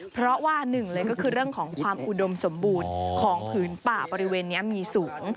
เพราะว่าหนึ่งเลยก็คือเรื่องของความอุดมสมบูรณ์ของผืนป่าบริเวณนี้มีสูง